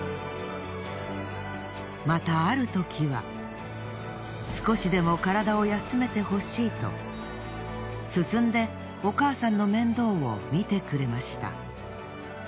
またある時は少しでも体を休めてほしいと進んでお母さんの面倒をみてくれました。